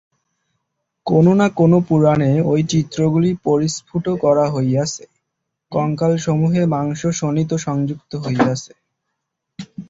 কোন না কোন পুরাণে ঐ চিত্রগুলি পরিস্ফুট করা হইয়াছে, কঙ্কালসমূহে মাংস-শোণিত সংযুক্ত হইয়াছে।